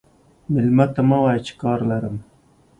مېلمه ته مه وایه چې کار لرم.